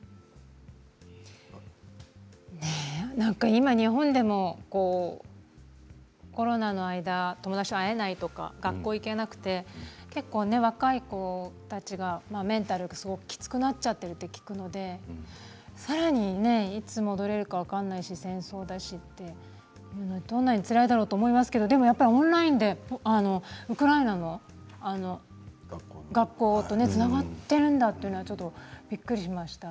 今、日本でもコロナの間友達と会えないとか学校に行けなくて結構、若い子たちがメンタルがすごくきつくなっちゃっていると聞くのでさらに、いつ戻れるか分からないし、戦争をだしってどんなにつらいだろうと思いますけれどやっぱりオンラインでウクライナの学校とつながっているんだというのはちょっと、びっくりしました。